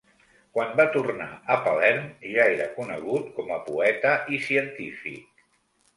Quan va tornar a Palerm ja era conegut com a poeta i científic.